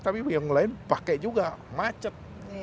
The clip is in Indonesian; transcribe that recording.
tapi yang lain pakai juga macet